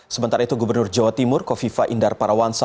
sementara itu gubernur jawa timur kofifa indar parawansa